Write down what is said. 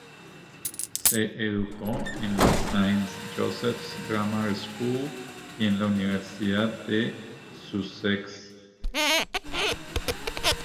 Se educó en la St Joseph's Grammar School y en la Universidad de Sussex.